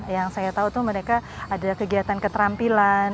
yang saya tahu itu mereka ada kegiatan keterampilan